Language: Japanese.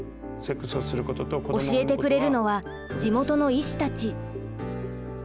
教えてくれるのは地元の医師たち。